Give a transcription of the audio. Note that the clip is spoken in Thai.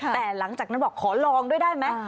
แต่หลังจากนั้นบอกขอลองด้วยได้ไหม